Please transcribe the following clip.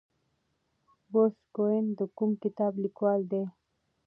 بروس کوئن د کوم کتاب لیکوال دی؟